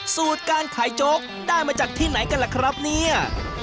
สูตรการขายโจ๊กได้มาจากที่ไหนกันล่ะครับเนี่ย